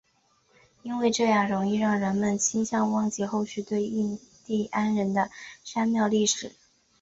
因为这样容易让人们倾向忘记后续对印第安人的杀戮历史。